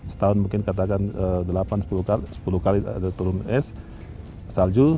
setahun mungkin katakan delapan sepuluh kali turun es salju